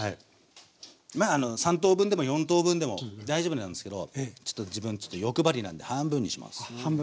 まああの３等分でも４等分でも大丈夫なんですけどちょっと自分ちょっと欲張りなんで半分にします。